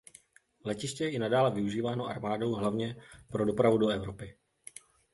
Letiště je i nadále využíváno armádou hlavně pro dopravu do Evropy.